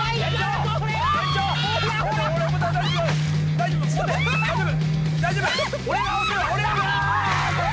大丈夫大丈夫。